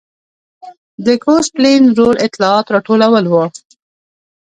د ګوسپلین رول اطلاعات راټولول و.